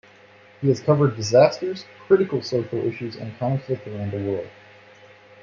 He has covered disasters, critical social issues and conflict around the world.